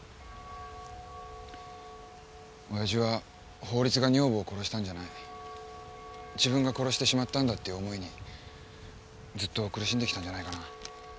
親父は法律が女房を殺したんじゃない自分が殺してしまったんだっていう思いにずっと苦しんできたんじゃないかな。